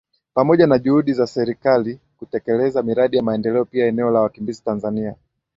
Pamoja na juhudi za Serikali kutekeleza miradi ya maendeleo pia eneo la wakimbizi Tanzania